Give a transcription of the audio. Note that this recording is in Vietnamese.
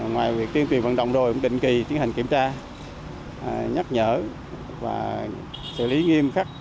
ngoài việc tuyên truyền vận động rồi cũng định kỳ tiến hành kiểm tra nhắc nhở và xử lý nghiêm khắc